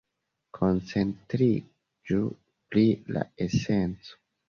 Koncentriĝu pri la esenco.